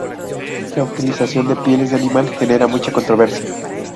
La utilización de pieles de animal genera mucha controversia.